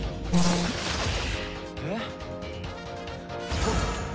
えっ？